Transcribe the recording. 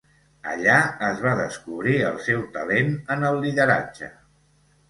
Allà es va descobrir el seu talent en el lideratge.